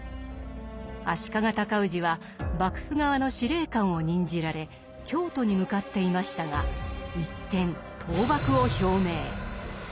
足利高氏は幕府側の司令官を任じられ京都に向かっていましたが一転討幕を表明。